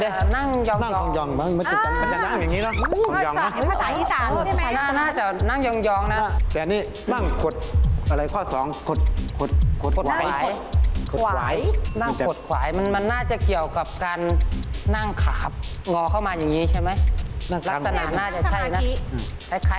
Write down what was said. เหมือนที่พี่พูดเลยก็คือนั่งยองนั่นแหละ